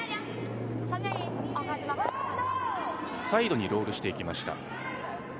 サイドにロールしていきました。